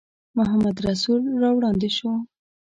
محمدرسول را وړاندې شو.